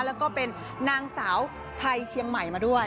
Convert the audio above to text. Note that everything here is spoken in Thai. แล้วก็เป็นนางสาวไทยเชียงใหม่มาด้วย